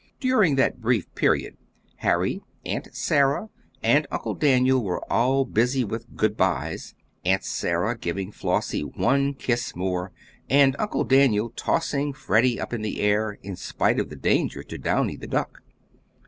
During that brief period, Harry, Aunt Sarah, and Uncle Daniel were all busy with "good byes": Aunt Sarah giving Flossie one kiss more, and Uncle Daniel tossing Freddie up in the air in spite of the danger to Downy, the duck.